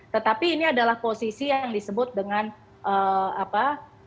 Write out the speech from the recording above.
tetapi ini adalah posisi yang disebut dengan apa